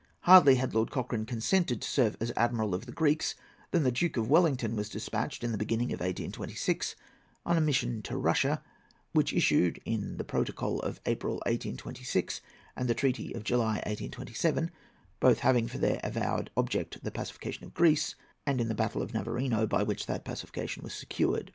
Hardly had Lord Cochrane consented to serve as admiral of the Greeks than the Duke of Wellington was despatched, in the beginning of 1826, on a mission to Russia, which issued in the protocol of April, 1826, and the treaty of July, 1827—both having for their avowed object the pacification of Greece—and in the battle of Navarino, by which that pacification was secured.